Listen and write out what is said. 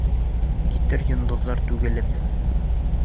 Китер йондоҙҙар түгелеп.